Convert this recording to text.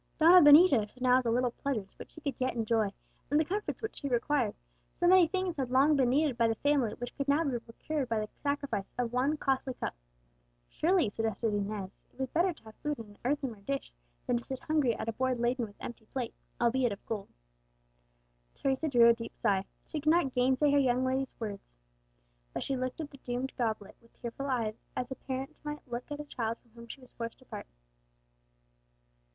Donna Benita should now have the little pleasures which she could yet enjoy, and the comforts which she required; so many things had long been needed by the family which could now be procured by the sacrifice of one costly cup. Surely, suggested Inez, it was better to have food in an earthenware dish, than to sit hungry at a board laden with empty plate, albeit of gold. Teresa drew a deep sigh; she could not gainsay her young lady's words, but she looked at the doomed goblet with tearful eyes, as a parent might look at a child from whom she was forced to part.